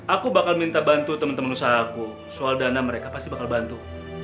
aku bakal minta bantu teman teman usaha aku soal dana mereka pasti bakal bantu